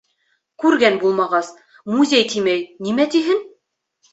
— Күргән булмағас, «музей» тимәй, нимә тиһең?